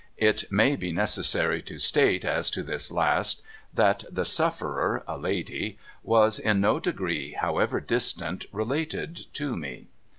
It may be necessary to state as to this last, that the sufferer (a lady) was in no degree, however distant, related to me.